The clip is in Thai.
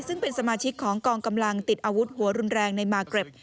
ซึ่งเป็นสมาชิกของกองกำลังติดอาวุธหัวรุนแรงในมาร์เกร็ด